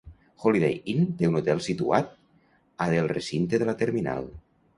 Holiday Inn té un hotel situat a del recinte de la terminal.